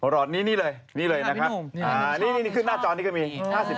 รอดนี้เลยนี่เลยนะครับนี่ที่ขึ้นหน้าจอน